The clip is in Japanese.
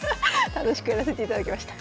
楽しくやらせていただきました。